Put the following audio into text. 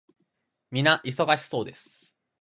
皆忙しそうです。